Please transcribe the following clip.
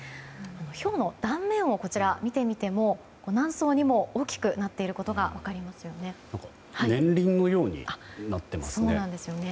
ひょうの断面を見てみても何層にも大きくなっていることが分かりますよね。